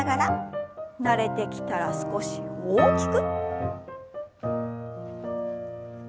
慣れてきたら少し大きく。